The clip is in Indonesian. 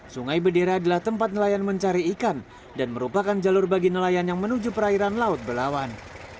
sungai bedera adalah tempat nelayan mencari ikan dan merupakan jalur bagi nelayan yang menuju perairan laut belawan